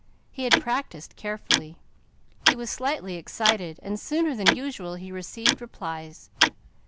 He had practised carefully, he was slightly excited, and sooner than usual he received replies.